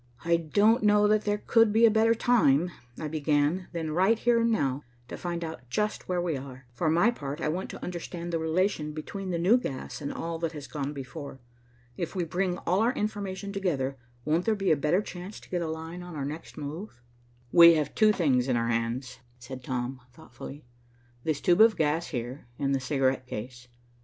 "I don't know that there could be a better time," I began, "than right here and now, to find out just where we are. For my part, I want to understand the relation between the new gas and all that has gone before. If we bring all our information together, won't there be a better chance to get a line on our next move?" "We have two things in our hands," said Tom thoughtfully. "This tube of gas here and the cigarette case.